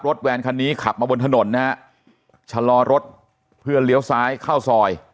แวนคันนี้ขับมาบนถนนนะฮะชะลอรถเพื่อเลี้ยวซ้ายเข้าซอย